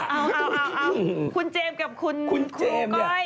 เอาคุณเจมส์กับคุณครูก้อย